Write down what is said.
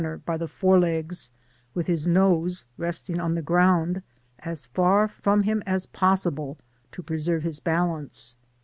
61 ner by the fore legs, with his nose resting on the ground, as far from him as possible, to preserve his balance.